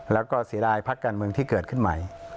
แล้วก็เสียดายพักการเมืองที่เกิดขึ้นใหม่